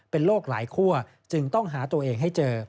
เป็นโรคหลายคั่วจึงต้องหาตัวเองให้เจอ